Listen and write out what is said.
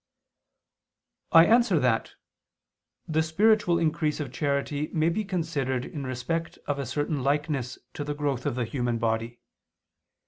I answer that, The spiritual increase of charity may be considered in respect of a certain likeness to the growth of the human body.